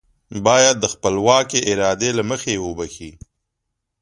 بايد د خپلواکې ارادې له مخې يې وبښي.